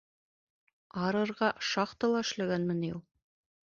— Арырға, шахтала эшләгәнме ни ул?